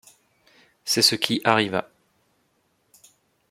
C’est ce qui arriva.